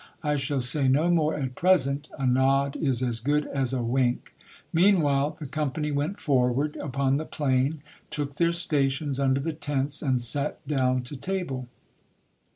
I shall say no more at present, a nod is as good as a wink. Meanwhile the company went forward upon the plain, took their sta tions under the tents, and sat down to table.